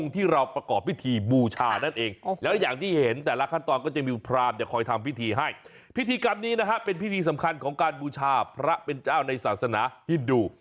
ทำพิธีให้พิธีกรรมนี้นะฮะเป็นพิธีสำคัญของการบูชาพระเป็นเจ้าในศาสนาฮิดู